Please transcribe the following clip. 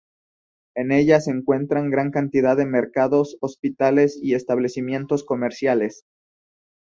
En ella se encuentran gran cantidad de mercados, hospitales y establecimientos comerciales.